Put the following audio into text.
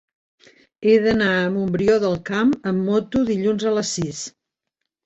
He d'anar a Montbrió del Camp amb moto dilluns a les sis.